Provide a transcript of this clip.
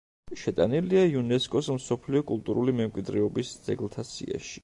შეტანილია იუნესკოს მსოფლიო კულტურული მემკვიდრეობის ძეგლთა სიაში.